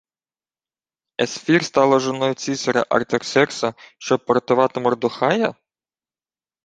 — Есфір стала жоною цісаря Артаксеркса, щоб порятувати Мордохая?